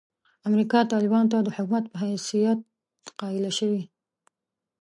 امریکا طالبانو ته د حکومت په حیثیت قایله شوې.